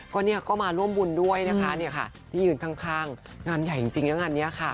ก็มาร่วมบุญด้วยนะคะที่ยืนข้างงานใหญ่จริงอย่างนั้นเนี่ยค่ะ